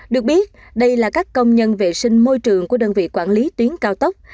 được biết đây là các công nhân vệ sinh môi trường của đơn vị quản lý tuyến cao tốc